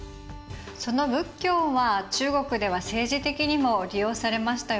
その仏教は中国では政治的にも利用されましたよね。